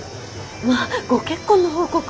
まあご結婚の報告？